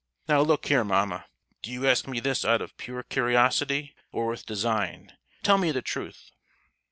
"Now look here, mamma; do you ask me this out of pure curiosity, or with design? Tell me the truth."